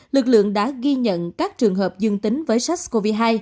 lực lượng đã ghi nhận các trường hợp dương tính với sars cov hai